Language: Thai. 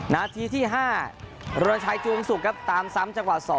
นาทีที่๕รณชัยจวงศุกร์ครับตามซ้ำจังหวะ๒